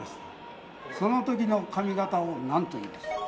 その時の髪形をなんというでしょう？